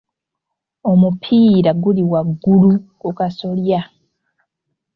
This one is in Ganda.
Omupiira guli waggulu ku kasolya.